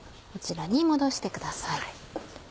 こちらに戻してください。